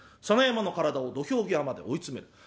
佐野山の体を土俵際まで追い詰める。